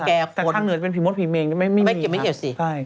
ข้างเหนือเป็นผีมดพี่เมงไม่เกี่ยวสิ